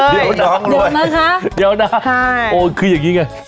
เดี๋ยวน้องรวยเดี๋ยวนะคะเดี๋ยวนะคะค่ะโอ้คืออย่างงี้ไง